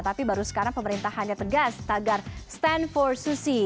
tapi baru sekarang pemerintahannya tegas tagar stand for susi